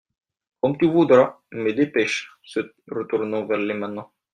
Comme tu voudras ; mais dépêche. — Se retournant vers les manants.